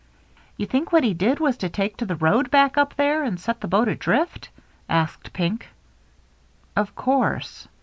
" You think what he did was to take to the road back up there and set the boat adrift ?" asked Pink. " Of course."